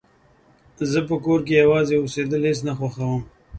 زه په کور کې يوازې اوسيدل هيڅ نه خوښوم